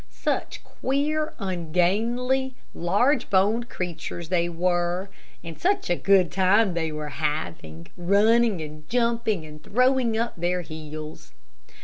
Such queer, ungainly, large boned creatures they were, and such a good time they were having, running and jumping and throwing up their heels.